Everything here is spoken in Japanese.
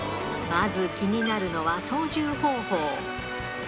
まず気になるのは操縦方法。